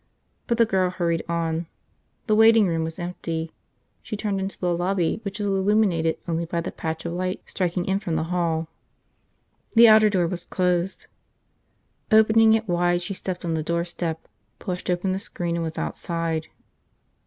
But the girl hurried on. The waiting room was empty. She turned into the lobby which was illuminated only by the patch of light striking in from the hall. The outer door was closed. Opening it wide she stepped on the doorstop, pushed open the screen, and was outside.